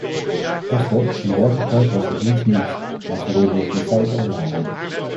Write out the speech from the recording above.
Echter, in werkelijkheid was dit niets nieuws, maar gebeurde dit in feite al jaren.